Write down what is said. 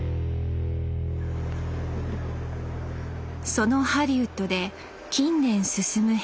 そのハリウッドで近年進む変革。